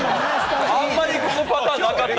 あんまりこのパターンなかった。